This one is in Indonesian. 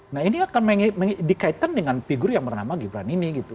nah ini akan dikaitkan dengan figur yang bernama gibran ini gitu